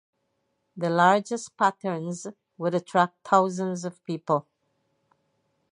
The largest patterns would attract thousands of people.